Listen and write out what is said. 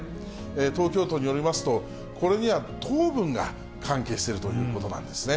東京都によりますと、これには糖分が関係しているということなんですね。